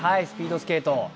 スピードスケート。